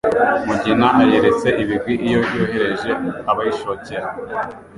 Mugina ayeretse ibigwi iyo yohereje abayishokera,